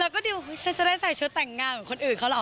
แล้วก็ดิวฉันจะได้ใส่ชุดแต่งงานเหมือนคนอื่นเขาเหรอ